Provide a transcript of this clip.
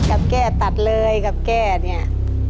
แก้ตัดเลยกับแก้เนี่ย